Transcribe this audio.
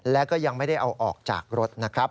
แล้วก็ยังไม่ได้เอาออกจากรถนะครับ